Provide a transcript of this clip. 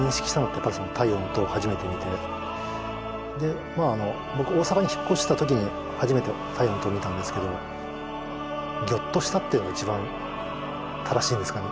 やっぱり「太陽の塔」を初めて見て僕大阪に引っ越した時に初めて「太陽の塔」を見たんですけどギョッとしたっていうのが一番正しいんですかね。